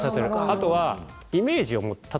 あとはイメージを持つ。